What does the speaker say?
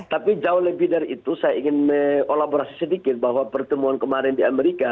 tapi jauh lebih dari itu saya ingin mengolaborasi sedikit bahwa pertemuan kemarin di amerika